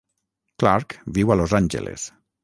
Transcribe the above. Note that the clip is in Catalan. Clark viu a Los Angeles.